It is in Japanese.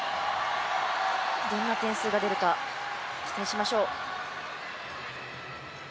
どんな点数が出るか期待しましょう。